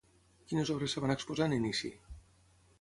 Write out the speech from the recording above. Quines obres es van exposar en inici?